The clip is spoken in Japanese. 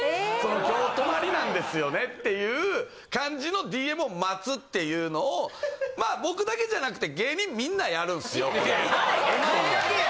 そのきょう泊まりなんですよねっていう感じのＤＭを待つっていうのを、僕だけじゃなくて芸人みんなやるんすよ、これ。